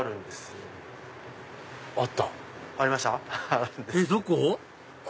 えっどこ？